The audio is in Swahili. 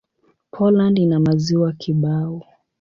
Poland ina maziwa kibao.